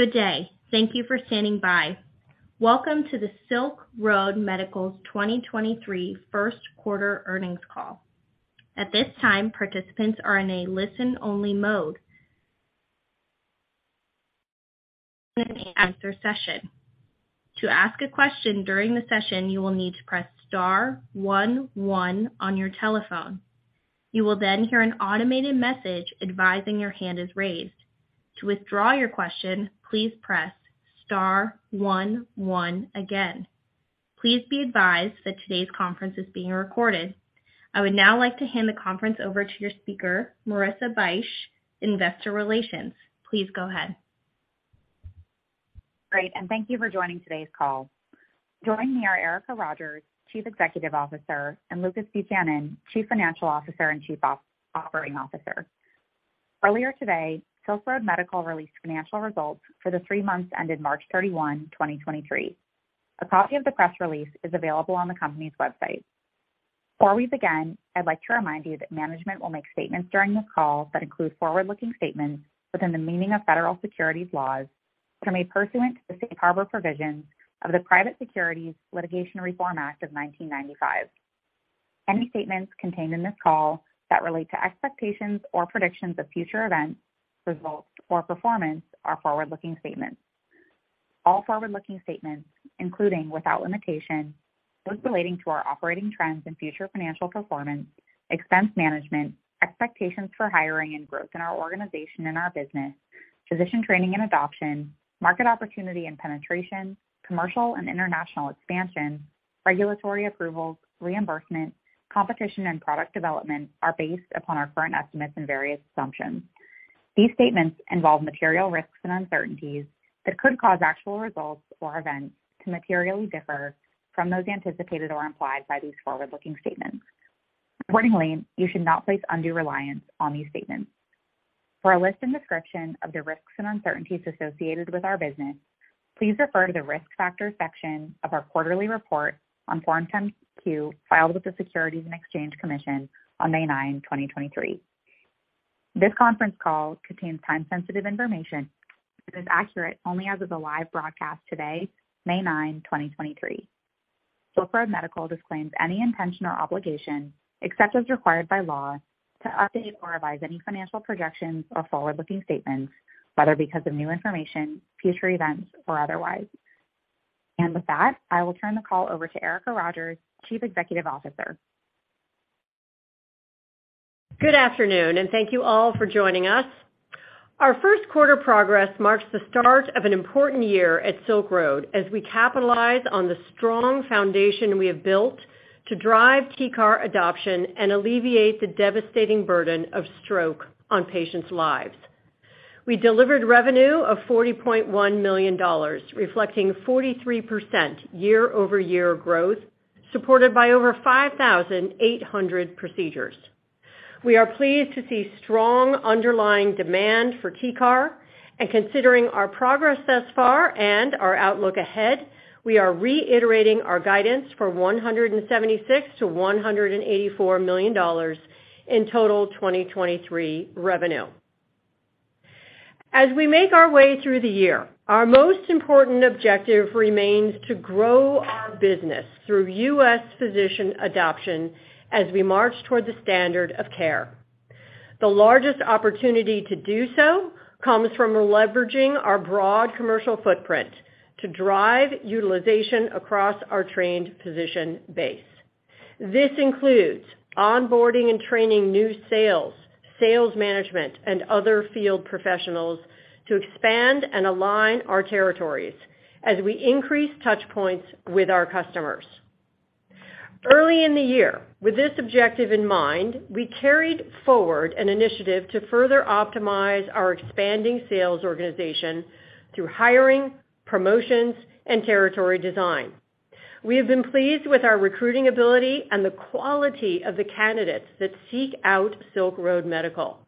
Good day. Thank you for standing by. Welcome to the Silk Road Medical's 2023 first quarter earnings call. At this time, participants are in a listen-only mode. Answer session. To ask a question during the session, you will need to press star one one on your telephone. You will then hear an automated message advising your hand is raised. To withdraw your question, please press star one one again. Please be advised that today's conference is being recorded. I would now like to hand the conference over to your speaker, Marissa Bych, Investor Relations. Please go ahead. Great, thank you for joining today's call. Joining me are Erica Rogers, Chief Executive Officer, and Lucas Buchanan, Chief Financial Officer and Chief Operating Officer. Earlier today, Silk Road Medical released financial results for the three months ended March 31, 2023. A copy of the press release is available on the company's website. Before we begin, I'd like to remind you that management will make statements during this call that include forward-looking statements within the meaning of Federal Securities laws pursuant to the Safe Harbor provisions of the Private Securities Litigation Reform Act of 1995. Any statements contained in this call that relate to expectations or predictions of future events, results, or performance are forward-looking statements. All forward-looking statements, including without limitation, those relating to our operating trends and future financial performance, expense management, expectations for hiring and growth in our organization and our business, physician training and adoption, market opportunity and penetration, commercial and international expansion, regulatory approvals, reimbursement, competition, and product development are based upon our current estimates and various assumptions. These statements involve material risks and uncertainties that could cause actual results or events to materially differ from those anticipated or implied by these forward-looking statements. You should not place undue reliance on these statements. For a list and description of the risks and uncertainties associated with our business, please refer to the Risk Factors section of our quarterly report on Form 10-Q filed with the Securities and Exchange Commission on May 9, 2023. This conference call contains time-sensitive information that is accurate only as of the live broadcast today, May 9, 2023. Silk Road Medical disclaims any intention or obligation, except as required by law, to update or revise any financial projections or forward-looking statements, whether because of new information, future events, or otherwise. With that, I will turn the call over to Erica Rogers, Chief Executive Officer. Good afternoon, and thank you all for joining us. Our first quarter progress marks the start of an important year at Silk Road as we capitalize on the strong foundation we have built to drive TCAR adoption and alleviate the devastating burden of stroke on patients' lives. We delivered revenue of $40.1 million, reflecting 43% year-over-year growth, supported by over 5,800 procedures. We are pleased to see strong underlying demand for TCAR and considering our progress thus far and our outlook ahead, we are reiterating our guidance for $176 million-$184 million in total 2023 revenue. As we make our way through the year, our most important objective remains to grow our business through U.S. physician adoption as we march toward the standard of care. The largest opportunity to do so comes from leveraging our broad commercial footprint to drive utilization across our trained physician base. This includes onboarding and training new sales management, and other field professionals to expand and align our territories as we increase touch points with our customers. Early in the year, with this objective in mind, we carried forward an initiative to further optimize our expanding sales organization through hiring, promotions, and territory design. We have been pleased with our recruiting ability and the quality of the candidates that seek out Silk Road Medical,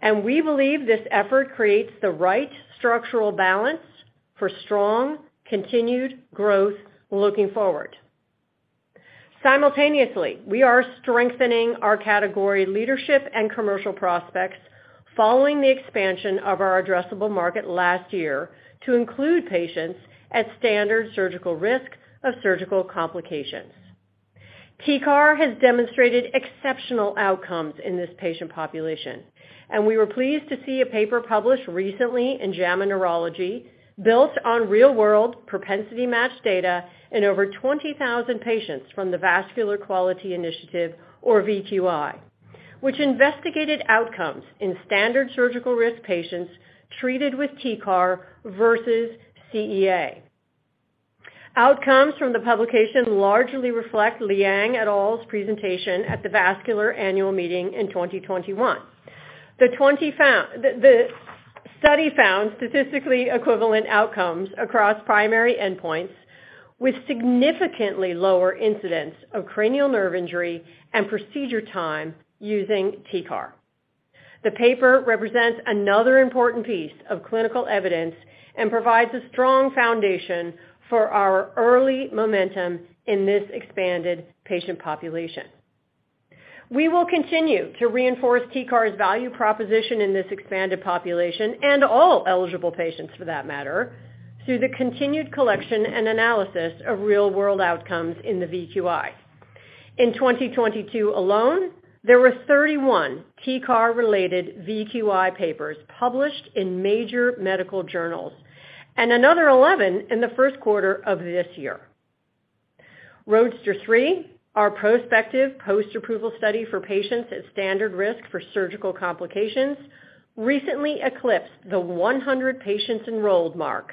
and we believe this effort creates the right structural balance for strong, continued growth looking forward. Simultaneously, we are strengthening our category leadership and commercial prospects following the expansion of our addressable market last year to include patients at standard surgical risk of surgical complications. TCAR has demonstrated exceptional outcomes in this patient population. We were pleased to see a paper published recently in JAMA Neurology built on real-world propensity-matched data in over 20,000 patients from the Vascular Quality Initiative, or VQI, which investigated outcomes in standard surgical risk patients treated with TCAR versus CEA. Outcomes from the publication largely reflect Liang et al's presentation at the Vascular Annual Meeting in 2021. The study found statistically equivalent outcomes across primary endpoints with significantly lower incidence of cranial nerve injury and procedure time using TCAR. The paper represents another important piece of clinical evidence and provides a strong foundation for our early momentum in this expanded patient population. We will continue to reinforce TCAR's value proposition in this expanded population and all eligible patients for that matter, through the continued collection and analysis of real world outcomes in the VQI. In 2022 alone, there were 31 TCAR related VQI papers published in major medical journals and another 11 in the first quarter of this year. ROADSTER 3, our prospective post-approval study for patients at standard risk for surgical complications recently eclipsed the 100 patients enrolled mark,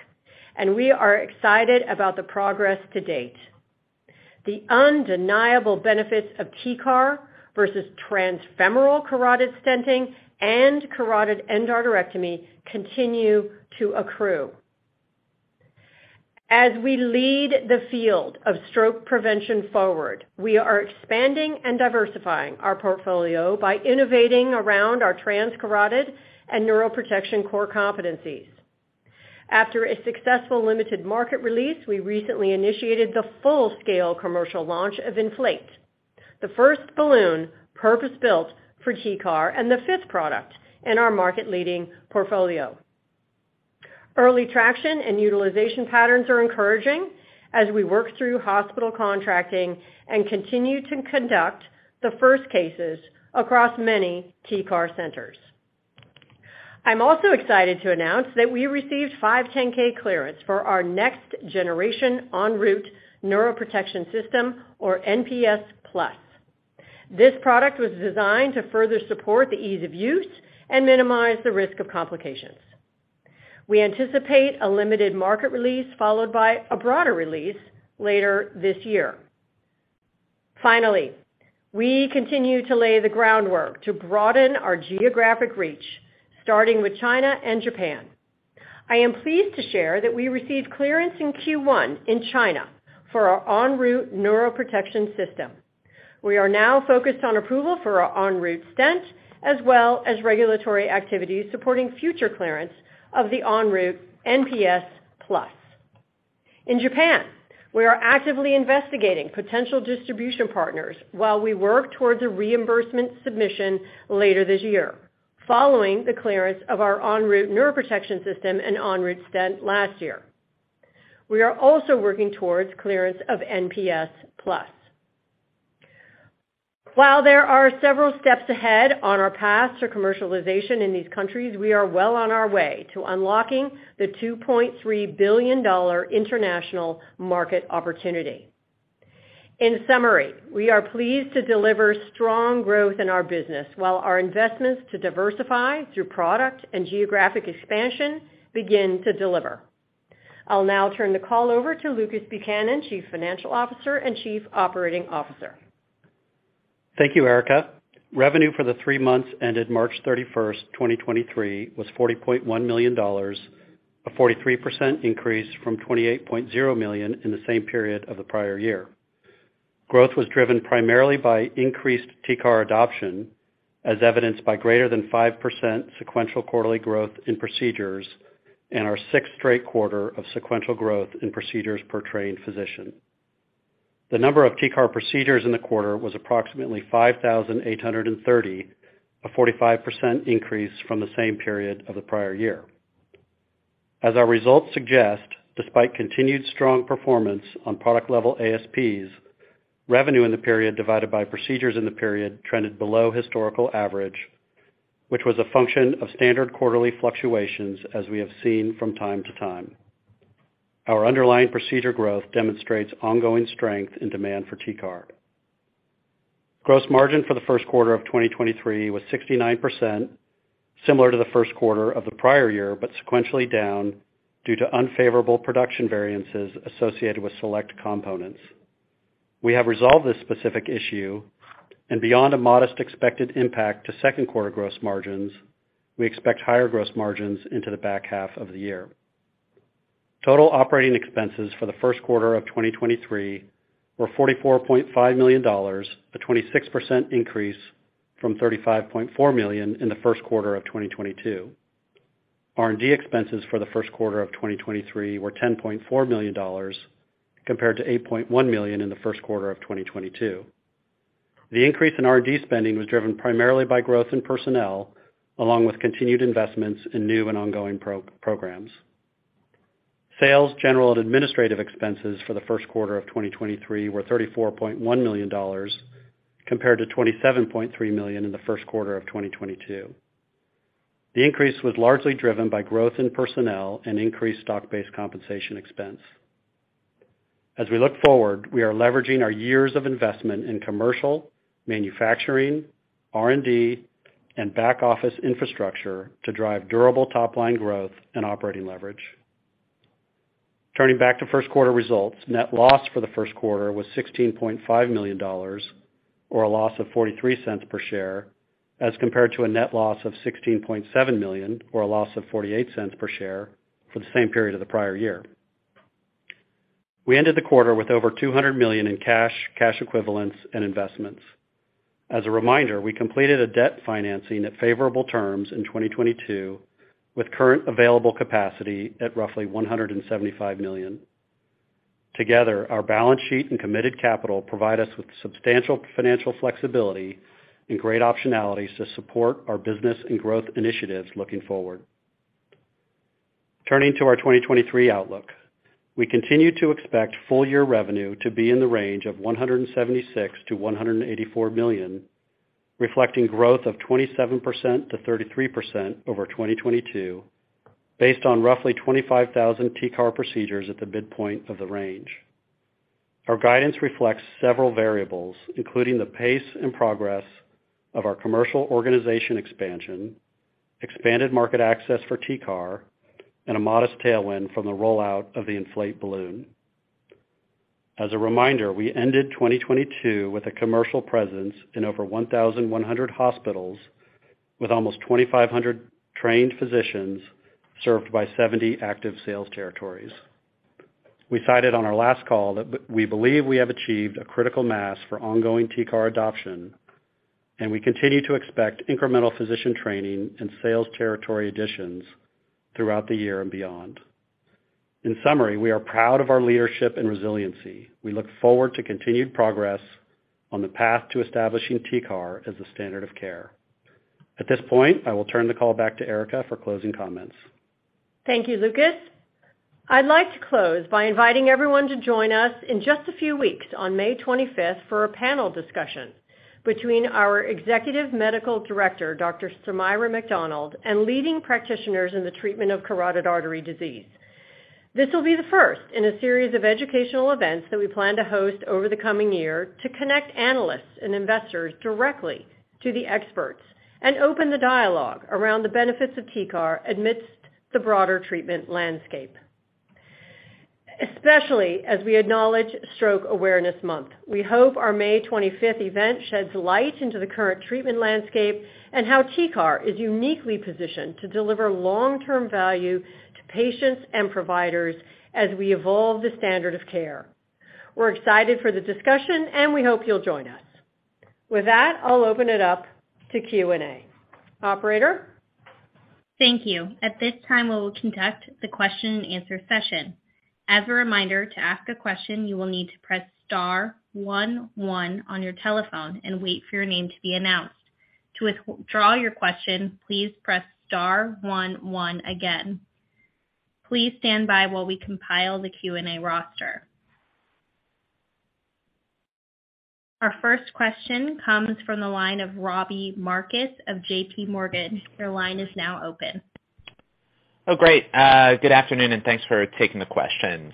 and we are excited about the progress to date. The undeniable benefits of TCAR versus transfemoral carotid Stenting and carotid endarterectomy continue to accrue. As we lead the field of stroke prevention forward, we are expanding and diversifying our portfolio by innovating around our transcarotid and neuroprotection core competencies. After a successful limited market release, we recently initiated the full-scale commercial launch of Enflate, the first balloon purpose-built for TCAR and the fifth product in our market-leading portfolio. Early traction and utilization patterns are encouraging as we work through hospital contracting and continue to conduct the first cases across many TCAR centers. I'm also excited to announce that we received 510(k) clearance for our next generation ENROUTE Neuroprotection System or NPS Plus. This product was designed to further support the ease of use and minimize the risk of complications. We anticipate a limited market release followed by a broader release later this year. We continue to lay the groundwork to broaden our geographic reach, starting with China and Japan. I am pleased to share that we received clearance in Q1 in China for our ENROUTE Neuroprotection System. We are now focused on approval for our ENROUTE Stent as well as regulatory activities supporting future clearance of the ENROUTE NPS Plus. In Japan, we are actively investigating potential distribution partners while we work towards a reimbursement submission later this year. Following the clearance of our ENROUTE Neuroprotection System and ENROUTE Stent last year. We are also working towards clearance of NPS Plus. While there are several steps ahead on our path to commercialization in these countries, we are well on our way to unlocking the $2.3 billion international market opportunity. In summary, we are pleased to deliver strong growth in our business while our investments to diversify through product and geographic expansion begin to deliver. I'll now turn the call over to Lucas Buchanan, Chief Financial Officer and Chief Operating Officer. Thank you, Erica. Revenue for the three months ended March 31st, 2023 was $40.1 million, a 43% increase from $28.0 million in the same period of the prior year. Growth was driven primarily by increased TCAR adoption, as evidenced by greater than 5% sequential quarterly growth in procedures and our 6th straight quarter of sequential growth in procedures per trained physician. The number of TCAR procedures in the quarter was approximately 5,830, a 45% increase from the same period of the prior year. As our results suggest, despite continued strong performance on product level ASPs, revenue in the period divided by procedures in the period trended below historical average, which was a function of standard quarterly fluctuations as we have seen from time to time. Our underlying procedure growth demonstrates ongoing strength and demand for TCAR. Gross margin for the first quarter of 2023 was 69%, similar to the first quarter of the prior year, but sequentially down due to unfavorable production variances associated with select components. We have resolved this specific issue and beyond a modest expected impact to second-quarter gross margins, we expect higher gross margins into the back half of the year. Total operating expenses for the first quarter of 2023 were $44.5 million, a 26% increase from $35.4 million in the first quarter of 2022. R&D expenses for the first quarter of 2023 were $10.4 million compared to $8.1 million in the first quarter of 2022. The increase in R&D spending was driven primarily by growth in personnel along with continued investments in new and ongoing pro-programs. Sales, general and administrative expenses for the first quarter of 2023 were $34.1 million compared to $27.3 million in the first quarter of 2022. The increase was largely driven by growth in personnel and increased stock-based compensation expense. As we look forward, we are leveraging our years of investment in commercial, manufacturing, R&D, and back-office infrastructure to drive durable top-line growth and operating leverage. Turning back to first quarter results, net loss for the first quarter was $16.5 million or a loss of $0.43 per share as compared to a net loss of $16.7 million or a loss of $0.48 per share for the same period of the prior year. We ended the quarter with over $200 million in cash equivalents, and investments. As a reminder, we completed a debt financing at favorable terms in 2022, with current available capacity at roughly $175 million. Together, our balance sheet and committed capital provide us with substantial financial flexibility and great optionalities to support our business and growth initiatives looking forward. Turning to our 2023 outlook, we continue to expect full year revenue to be in the range of $176 million-$184 million, reflecting growth of 27%-33% over 2022, based on roughly 25,000 TCAR procedures at the midpoint of the range. Our guidance reflects several variables, including the pace and progress of our commercial organization expansion, expanded market access for TCAR, and a modest tailwind from the rollout of the Enflate balloon. As a reminder, we ended 2022 with a commercial presence in over 1,100 hospitals with almost 2,500 trained physicians served by 70 active sales territories. We cited on our last call that we believe we have achieved a critical mass for ongoing TCAR adoption, and we continue to expect incremental physician training and sales territory additions throughout the year and beyond. In summary, we are proud of our leadership and resiliency. We look forward to continued progress on the path to establishing TCAR as a standard of care. At this point, I will turn the call back to Erica for closing comments. Thank you, Lucas. I'd like to close by inviting everyone to join us in just a few weeks on May 25th for a panel discussion between our Executive Medical Director, Dr. Sumaira Macdonald, and leading practitioners in the treatment of carotid artery disease. This will be the first in a series of educational events that we plan to host over the coming year to connect analysts and investors directly to the experts and open the dialogue around the benefits of TCAR amidst the broader treatment landscape. Especially as we acknowledge Stroke Awareness Month, we hope our May 25th event sheds light into the current treatment landscape and how TCAR is uniquely positioned to deliver long-term value to patients and providers as we evolve the standard of care. We're excited for the discussion, and we hope you'll join us. With that, I'll open it up to Q&A. Operator? Thank you. At this time, we will conduct the question and answer session. As a reminder, to ask a question, you will need to press star one one on your telephone and wait for your name to be announced. To withdraw your question, please press star one one again. Please stand by while we compile the Q&A roster. Our first question comes from the line of Robbie Marcus of J.P. Morgan. Your line is now open. Great. Good afternoon, and thanks for taking the questions.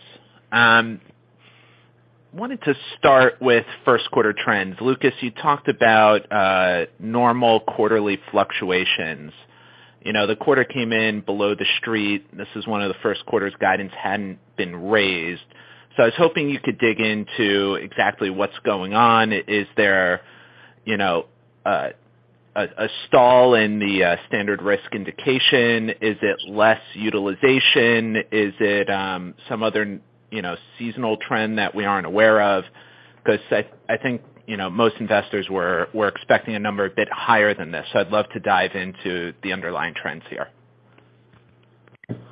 Wanted to start with first quarter trends. Lucas, you talked about normal quarterly fluctuations. You know, the quarter came in below the street. This is one of the first quarters guidance hadn't been raised. I was hoping you could dig into exactly what's going on. Is there, you know, a stall in the standard risk indication? Is it less utilization? Is it some other, you know, seasonal trend that we aren't aware of? Because I think, you know, most investors were expecting a number a bit higher than this. I'd love to dive into the underlying trends here.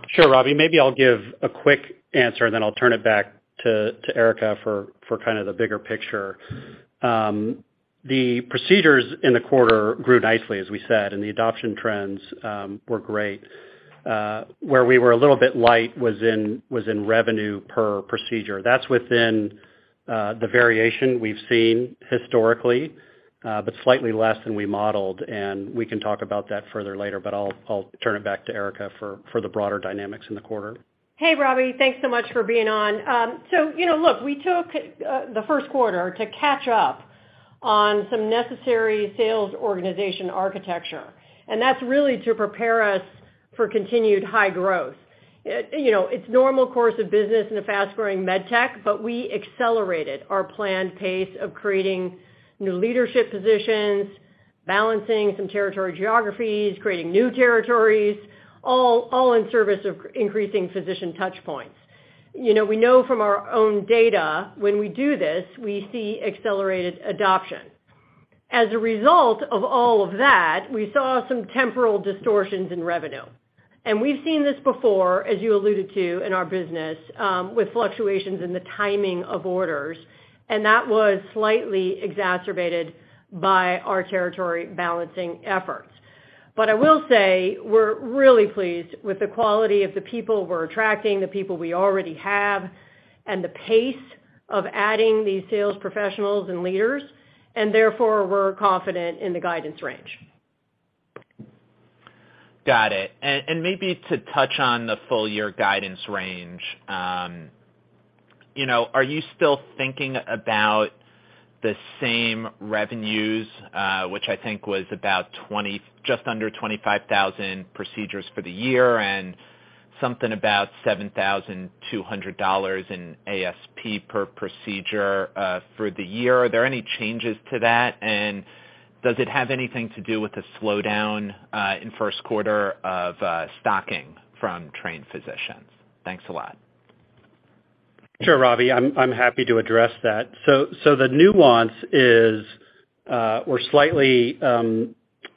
Sure, Robbie. Maybe I'll give a quick answer. Then I'll turn it back to Erica for kind of the bigger picture. The procedures in the quarter grew nicely, as we said. The adoption trends were great. Where we were a little bit light was in revenue per procedure. That's within the variation we've seen historically, but slightly less than we modeled. We can talk about that further later, but I'll turn it back to Erica for the broader dynamics in the quarter. Hey, Robbie. Thanks so much for being on. You know, look, we took the first quarter to catch up on some necessary sales organization architecture, and that's really to prepare us for continued high growth. You know, it's normal course of business in a fast-growing med tech, we accelerated our planned pace of creating new leadership positions, balancing some territory geographies, creating new territories, all in service of increasing physician touch points. You know, we know from our own data, when we do this, we see accelerated adoption. As a result of all of that, we saw some temporal distortions in revenue. We've seen this before, as you alluded to in our business, with fluctuations in the timing of orders, and that was slightly exacerbated by our territory balancing efforts. I will say we're really pleased with the quality of the people we're attracting, the people we already have, and the pace of adding these sales professionals and leaders, and therefore we're confident in the guidance range. Got it. Maybe to touch on the full year guidance range, you know, are you still thinking about the same revenues, which I think was just under 25,000 procedures for the year and something about $7,200 in ASP per procedure, for the year? Are there any changes to that? Does it have anything to do with the slowdown, in first quarter of, stocking from trained physicians? Thanks a lot. Sure, Robbie. I'm happy to address that. The nuance is, we're slightly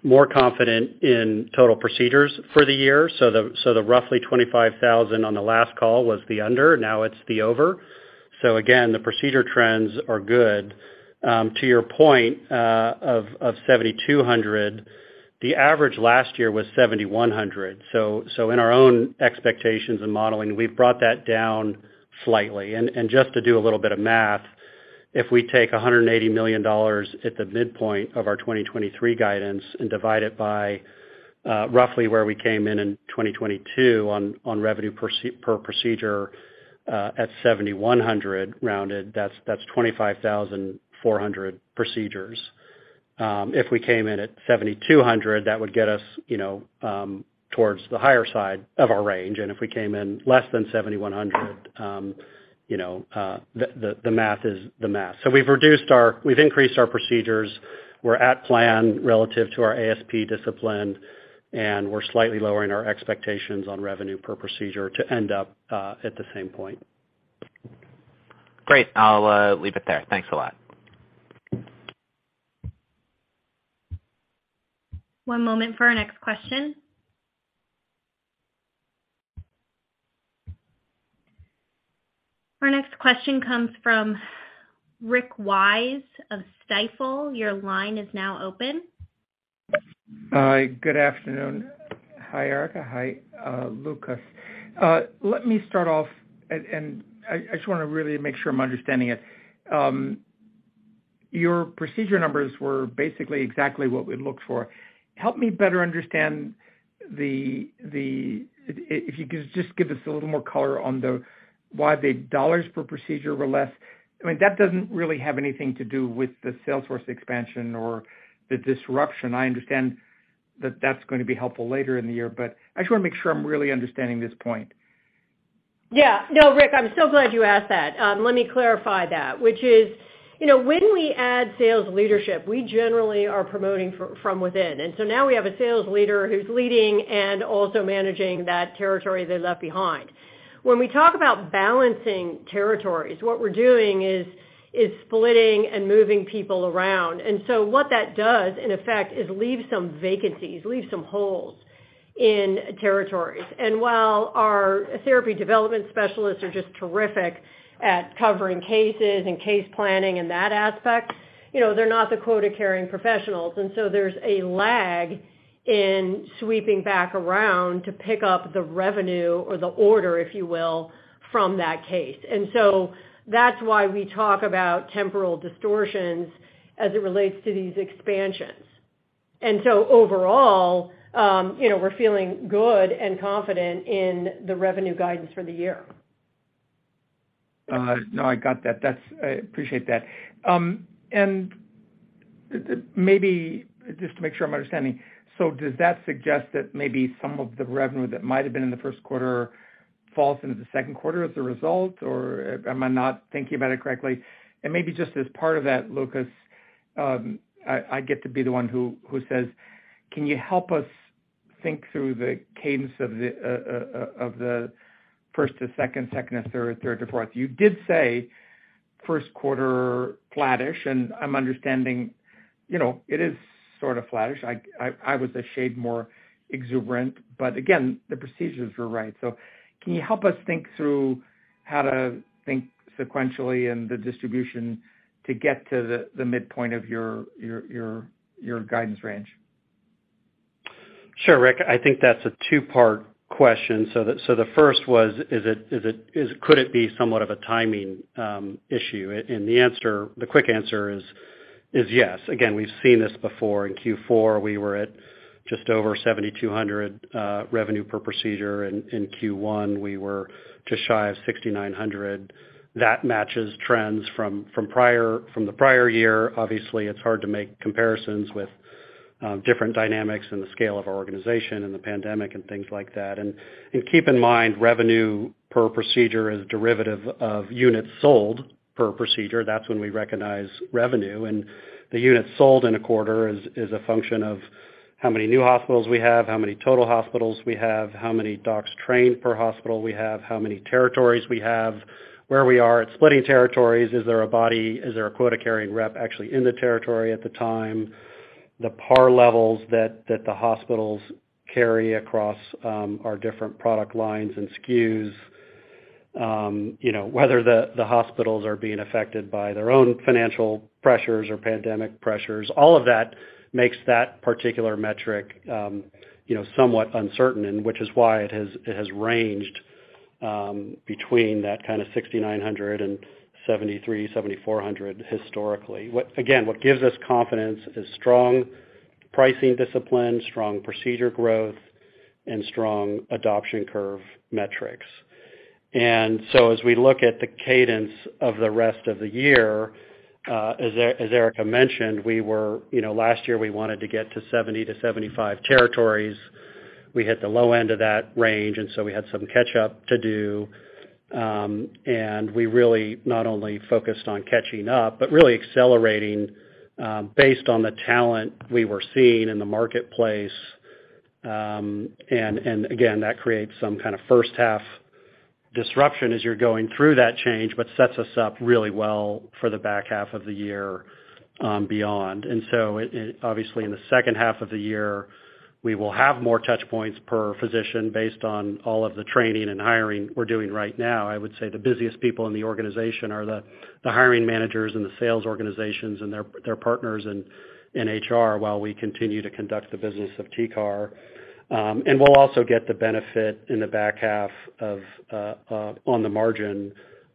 more confident in total procedures for the year. The roughly 25,000 on the last call was the under, now it's the over. Again, the procedure trends are good. To your point, of 7,200, the average last year was 7,100. In our own expectations and modeling, we've brought that down slightly. Just to do a little bit of math, if we take $180 million at the midpoint of our 2023 guidance and divide it by roughly where we came in in 2022 on revenue per procedure at 7,100 rounded, that's 25,400 procedures. If we came in at $7,200, that would get us, you know, towards the higher side of our range. If we came in less than $7,100, you know, the math is the math. We've increased our procedures. We're at plan relative to our ASP discipline, and we're slightly lowering our expectations on revenue per procedure to end up at the same point. Great. I'll leave it there. Thanks a lot. One moment for our next question. Our next question comes from Rick Wise of Stifel. Your line is now open. Hi. Good afternoon. Hi, Erica. Hi, Lucas. Let me start off at, and I just wanna really make sure I'm understanding it. Your procedure numbers were basically exactly what we'd looked for. Help me better understand the, if you could just give us a little more color on the, why the dollars per procedure were less. I mean, that doesn't really have anything to do with the sales force expansion or the disruption. I understand that that's gonna be helpful later in the year, I just wanna make sure I'm really understanding this point. Yeah. No, Rick, I'm so glad you asked that. Let me clarify that, which is, you know, when we add sales leadership, we generally are promoting from within. Now we have a sales leader who's leading and also managing that territory they left behind. When we talk about balancing territories, what we're doing is splitting and moving people around. What that does, in effect, is leave some vacancies, leave some holes in territories. While our therapy development specialists are just terrific at covering cases and case planning and that aspect, you know, they're not the quota-carrying professionals. There's a lag in sweeping back around to pick up the revenue or the order, if you will, from that case. That's why we talk about temporal distortions as it relates to these expansions. Overall, you know, we're feeling good and confident in the revenue guidance for the year. No, I got that. That's I appreciate that. Maybe just to make sure I'm understanding, does that suggest that maybe some of the revenue that might have been in the first quarter falls into the second quarter as a result, or am I not thinking about it correctly? Maybe just as part of that, Lucas, I get to be the one who says, can you help us think through the cadence of the first to second to third to fourth? You did say first quarter flattish, and I'm understanding, you know, it is sort of flattish. I, I was a shade more exuberant, but again, the procedures were right. Can you help us think through how to think sequentially in the distribution to get to the midpoint of your guidance range? Sure, Rick. I think that's a two-part question. The first was, could it be somewhat of a timing issue? The answer, the quick answer is yes. Again, we've seen this before. In Q4, we were at just over $7,200 revenue per procedure. In Q1, we were just shy of $6,900. That matches trends from the prior year. Obviously, it's hard to make comparisons with different dynamics and the scale of our organization and the pandemic and things like that. Keep in mind, revenue per procedure is derivative of units sold per procedure. That's when we recognize revenue. The units sold in a quarter is a function of how many new hospitals we have, how many total hospitals we have, how many docs trained per hospital we have, how many territories we have, where we are at splitting territories. Is there a body? Is there a quota-carrying rep actually in the territory at the time? The par levels that the hospitals carry across our different product lines and SKUs. You know, whether the hospitals are being affected by their own financial pressures or pandemic pressures. All of that makes that particular metric, you know, somewhat uncertain, which is why it has ranged between that kinda 6,900 and 7,300-7,400 historically. Again, what gives us confidence is strong pricing discipline, strong procedure growth, and strong adoption curve metrics. As we look at the cadence of the rest of the year, as Erica mentioned, we were, you know, last year we wanted to get to 70 to 75 territories. We hit the low end of that range, and so we had some catch up to do. We really not only focused on catching up, but really accelerating, based on the talent we were seeing in the marketplace. And again, that creates some kinda first half disruption as you're going through that change, but sets us up really well for the back half of the year, beyond. Obviously, in the second half of the year, we will have more touch points per physician based on all of the training and hiring we're doing right now. I would say the busiest people in the organization are the hiring managers and the sales organizations and their partners in HR while we continue to conduct the business of TCAR. We'll also get the benefit in the back half of on the margin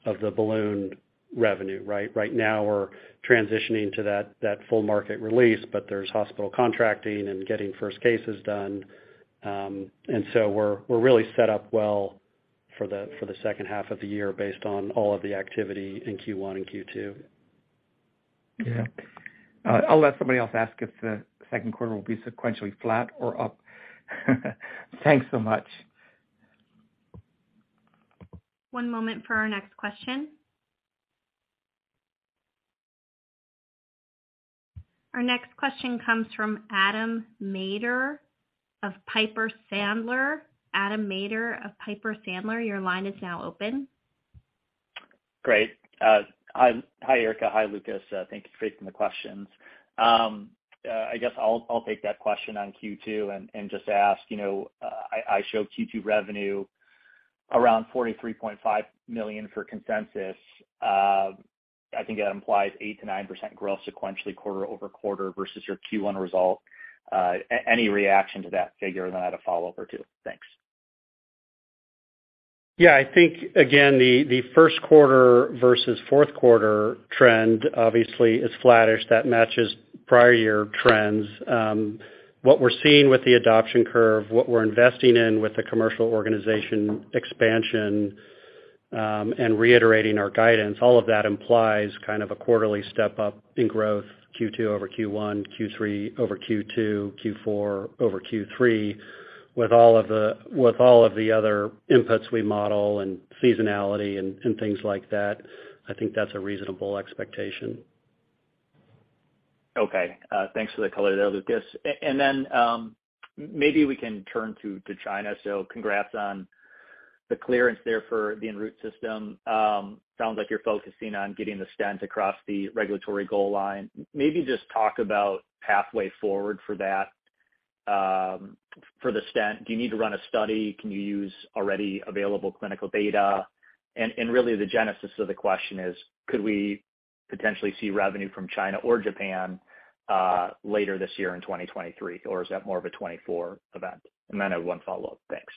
of the ballooned revenue, right? Right now, we're transitioning to that full market release, but there's hospital contracting and getting first cases done. So we're really set up well for the second half of the year based on all of the activity in Q1 and Q2. Yeah. I'll let somebody else ask if the second quarter will be sequentially flat or up. Thanks so much. One moment for our next question. Our next question comes from Adam Maeder of Piper Sandler. Adam Maeder of Piper Sandler, your line is now open. Great. hi Erica, hi Lucas. Thank you for taking the questions. I guess I'll take that question on Q2 and just ask, you know, I show Q2 revenue around $43.5 million for consensus. I think that implies 8%-9% growth sequentially quarter-over-quarter versus your Q1 result. Any reaction to that figure? Then I had a follow-up or two. Thanks. Yeah. I think again, the first quarter versus fourth quarter trend obviously is flattish. That matches prior year trends. What we're seeing with the adoption curve, what we're investing in with the commercial organization expansion, and reiterating our guidance, all of that implies kind of a quarterly step-up in growth, Q2 over Q1, Q3 over Q2, Q4 over Q3. With all of the, with all of the other inputs we model and seasonality and things like that, I think that's a reasonable expectation. Okay. Thanks for the color there, Lucas. Maybe we can turn to China. Congrats on the clearance there for the ENROUTE system. Sounds like you're focusing on getting the Stents across the regulatory goal line. Maybe just talk about pathway forward for that for the Stent. Do you need to run a study? Can you use already available clinical data? Really the genesis of the question is, could we potentially see revenue from China or Japan later this year in 2023, or is that more of a 2024 event? I have 1 follow-up. Thanks.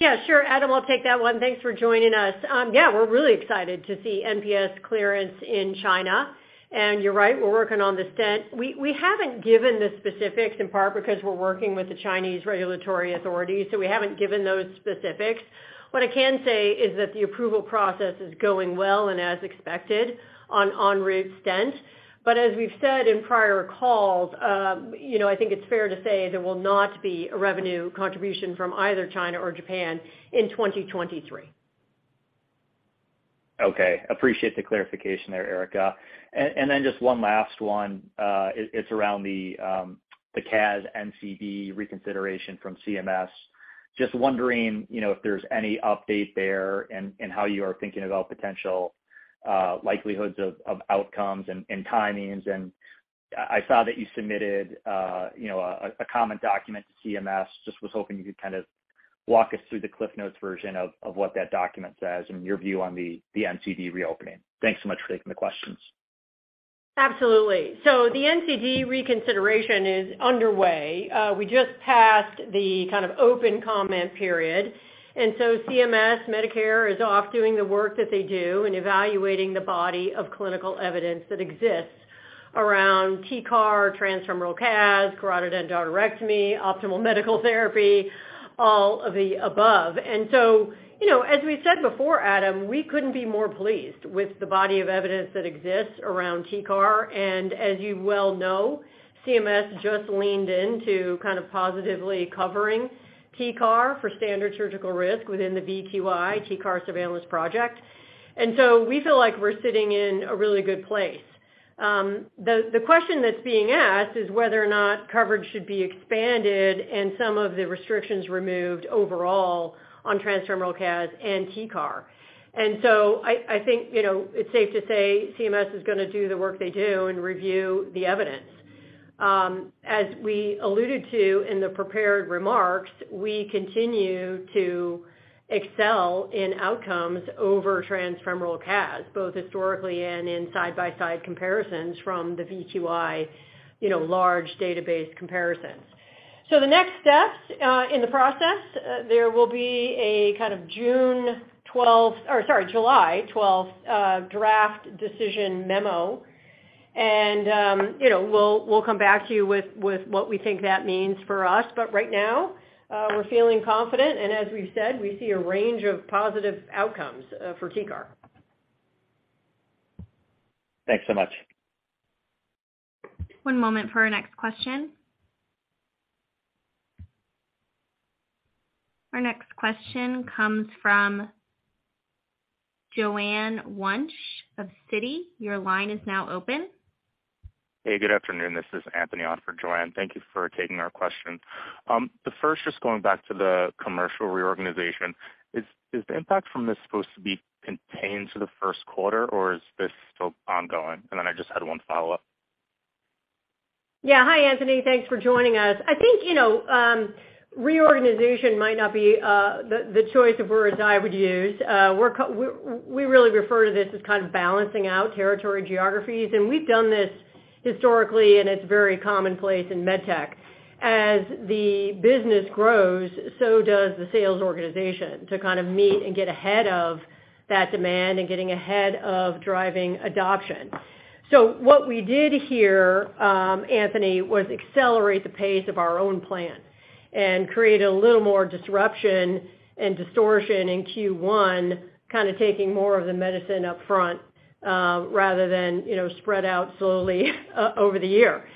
Yeah, sure. Adam, I'll take that one. Thanks for joining us. Yeah, we're really excited to see NPS clearance in China. You're right, we're working on the Stent. We haven't given the specifics in part because we're working with the Chinese regulatory authorities, we haven't given those specifics. What I can say is that the approval process is going well and as expected on ENROUTE Stent. As we've said in prior calls, you know, I think it's fair to say there will not be a revenue contribution from either China or Japan in 2023. Okay. Appreciate the clarification there, Erica. Then just one last one. It's around the CAS NCD reconsideration from CMS. Just wondering, you know, if there's any update there and how you are thinking about potential likelihoods of outcomes and timings. I saw that you submitted, you know, a comment document to CMS. Just was hoping you could kind of walk us through the cliff notes version of what that document says and your view on the NCD reopening. Thanks so much for taking the questions. Absolutely. The NCD reconsideration is underway. We just passed the kind of open comment period, CMS Medicare is off doing the work that they do and evaluating the body of clinical evidence that exists around TCAR, transfemoral CAS, carotid endarterectomy, optimal medical therapy, all of the above. You know, as we said before, Adam, we couldn't be more pleased with the body of evidence that exists around TCAR. As you well know, CMS just leaned into kind of positively covering TCAR for standard surgical risk within the VQI TCAR Surveillance Project. We feel like we're sitting in a really good place. The question that's being asked is whether or not coverage should be expanded and some of the restrictions removed overall on transfemoral CAS and TCAR. I think, you know, it's safe to say CMS is going to do the work they do and review the evidence. As we alluded to in the prepared remarks, we continue to excel in outcomes over transfemoral CAS, both historically and in side-by-side comparisons from the VQI, you know, large database comparisons. The next steps in the process, there will be a kind of July 12th draft decision memo. You know, we'll come back to you with what we think that means for us. Right now, we're feeling confident, and as we've said, we see a range of positive outcomes for TCAR. Thanks so much. One moment for our next question. Our next question comes from Joanne Wuensch of Citi, your line is now open. Hey, good afternoon. This is Anthony on for Joanne. Thank you for taking our question. The first, just going back to the commercial reorganization. Is the impact from this supposed to be contained to the first quarter or is this still ongoing? Then I just had one follow-up. Yeah. Hi, Anthony. Thanks for joining us. I think, you know, reorganization might not be the choice of words I would use. We really refer to this as kind of balancing out territory geographies, and we've done this historically, and it's very commonplace in med tech. As the business grows, so does the sales organization to kind of meet and get ahead of that demand and getting ahead of driving adoption. What we did here, Anthony, was accelerate the pace of our own plan and create a little more disruption and distortion in Q1, kind of taking more of the medicine up front, rather than, you know, spread out slowly over the year.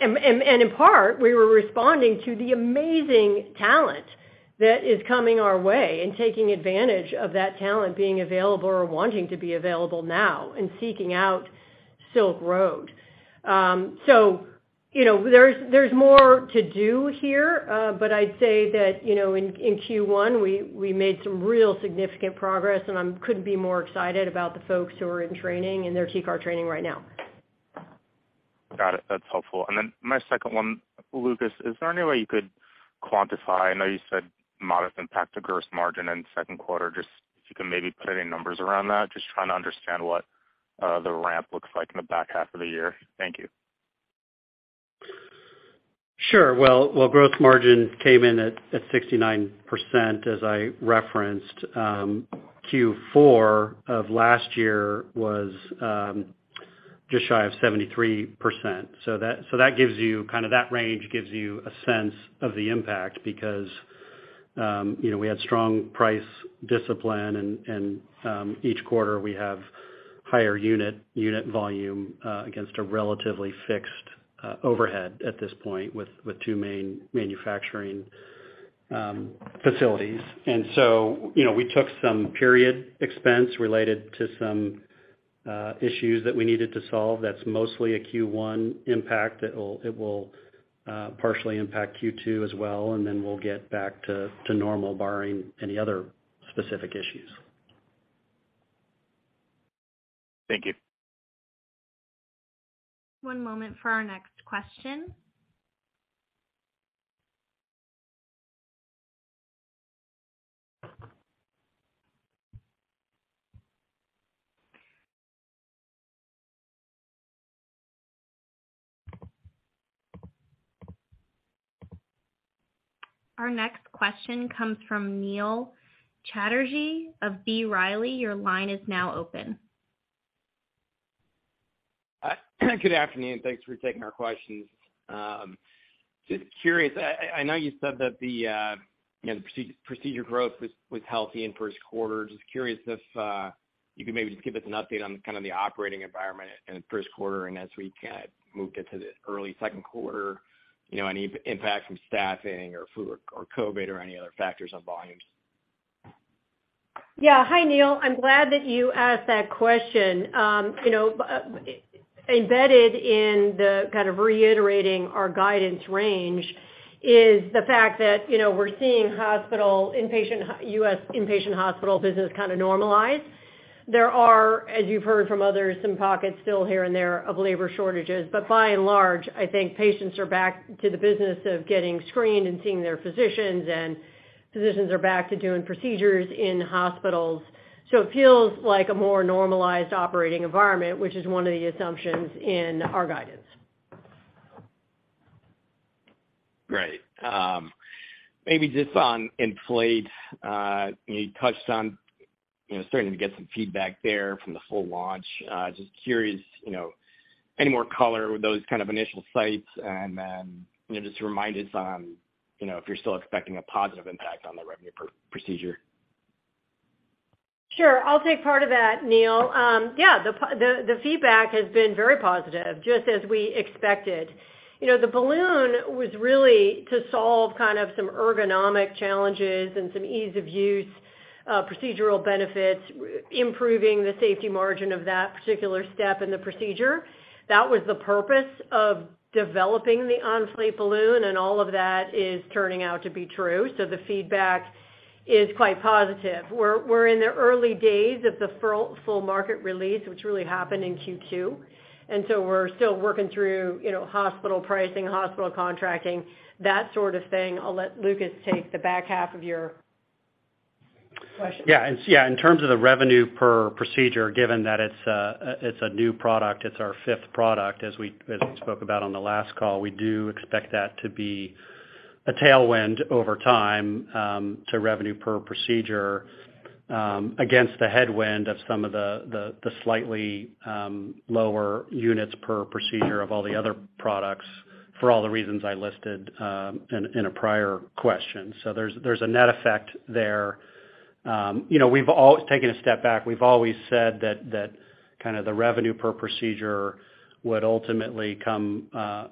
In part, we were responding to the amazing talent that is coming our way and taking advantage of that talent being available or wanting to be available now and seeking out Silk Road. You know, there's more to do here, but I'd say that, you know, in Q1, we made some real significant progress, and I couldn't be more excited about the folks who are in training in their TCAR training right now. Got it. That's helpful. My second one, Lucas, is there any way you could quantify... I know you said modest impact to gross margin in the second quarter, just if you can maybe put any numbers around that? Just trying to understand what the ramp looks like in the back half of the year. Thank you. Sure. Well, growth margin came in at 69%, as I referenced. Q4 of last year was just shy of 73%. That gives you kind of that range gives you a sense of the impact because, you know, we had strong price discipline and each quarter we have higher unit volume against a relatively fixed overhead at this point with two main manufacturing facilities. You know, we took some period expense related to some issues that we needed to solve. That's mostly a Q1 impact. It will partially impact Q2 as well, and then we'll get back to normal barring any other specific issues. Thank you. One moment for our next question. Our next question comes from Neil Chatterji of B. Riley. Your line is now open. Good afternoon. Thanks for taking our questions. Just curious, I know you said that the, you know, the procedure growth was healthy in first quarter. Just curious if you could maybe just give us an update on kind of the operating environment in the first quarter and as we kind of move into the early second quarter, you know, any impact from staffing or flu or COVID or any other factors on volumes? Hi, Neil. I'm glad that you asked that question. You know, embedded in the kind of reiterating our guidance range is the fact that, you know, we're seeing U.S. inpatient hospital business kind of normalize. There are, as you've heard from others, some pockets still here and there of labor shortages. By and large, I think patients are back to the business of getting screened and seeing their physicians, and physicians are back to doing procedures in hospitals. It feels like a more normalized operating environment, which is one of the assumptions in our guidance. Great. Maybe just on Enflate, you touched on, you know, starting to get some feedback there from the full launch. Just curious, you know, any more color with those kind of initial sites and then, you know, just remind us on, you know, if you're still expecting a positive impact on the revenue per procedure? Sure. I'll take part of that, Neil. Yeah, the the feedback has been very positive, just as we expected. You know, the balloon was really to solve kind of some ergonomic challenges and some ease of use procedural benefits, improving the safety margin of that particular step in the procedure. That was the purpose of developing the Enflate balloon, and all of that is turning out to be true. The feedback is quite positive. We're, we're in the early days of the full market release, which really happened in Q2, we're still working through, you know, hospital pricing, hospital contracting, that sort of thing. I'll let Lucas take the back half of your question. In terms of the revenue per procedure, given that it's a new product, it's our fifth product, as we spoke about on the last call. We do expect that to be a tailwind over time to revenue per procedure against the headwind of some of the slightly lower units per procedure of all the other products for all the reasons I listed in a prior question. There's a net effect there. You know, we've always taken a step back. We've always said that kind of the revenue per procedure would ultimately come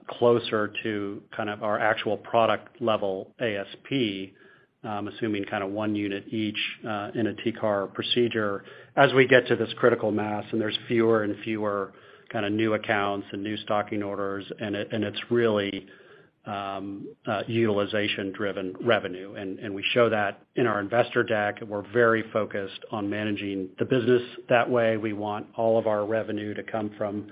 closer to kind of our actual product level ASP, assuming kind of one unit each in a TCAR procedure as we get to this critical mass and there's fewer and fewer kind of new accounts and new stocking orders, and it's really utilization-driven revenue. We show that in our investor deck. We're very focused on managing the business that way. We want all of our revenue to come from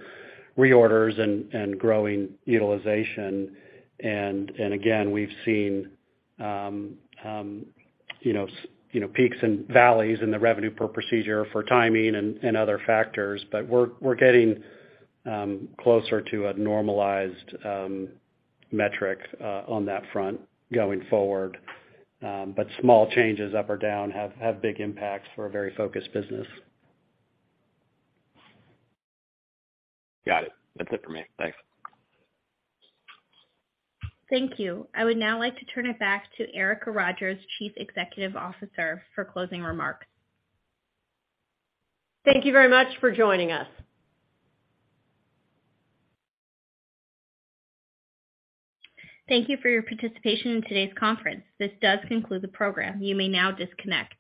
reorders and growing utilization. Again, we've seen, you know, peaks and valleys in the revenue per procedure for timing and other factors. We're getting closer to a normalized metric on that front going forward. Small changes up or down have big impacts for a very focused business. Got it. That's it for me. Thanks. Thank you. I would now like to turn it back to Erica Rogers, Chief Executive Officer, for closing remarks. Thank you very much for joining us. Thank you for your participation in today's conference. This does conclude the program. You may now disconnect.